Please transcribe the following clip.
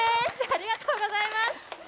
ありがとうございます。